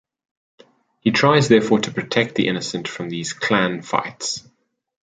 He tries therefore to protect the innocent from these clan fights.